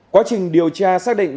quá trình điều tra xác định